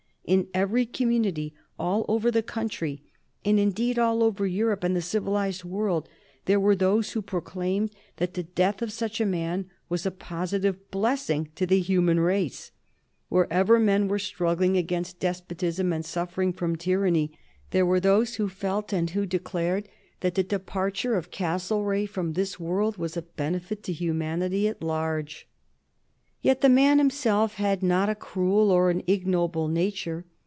In every community all over the country, and indeed all over Europe and the civilized world, there were those who proclaimed that the death of such a man was a positive blessing to the human race. Wherever men were struggling against despotism and suffering from tyranny, there were those who felt and who declared that the departure of Castlereagh from this world was a benefit to humanity at large. [Sidenote: 1822 Canning as Foreign Secretary] Yet the man himself had not a cruel or an ignoble nature.